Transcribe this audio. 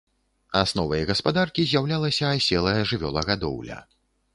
Асновай гаспадаркі з'яўлялася аселая жывёлагадоўля.